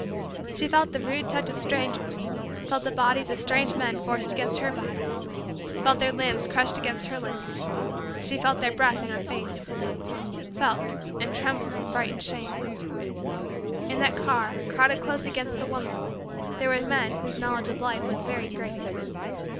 She felt the rude touch of strangers felt the bodies of strange men forced against her body felt their limbs crushed against her limbs felt their breath in her face felt and trembled in frightened shame. In that car, crowded close against the woman, there were men whose knowledge of life was very great.